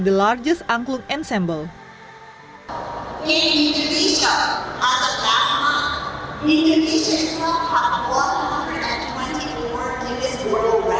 seorang pemain angklung yang berharga